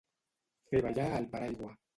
Fer ballar al paraigua.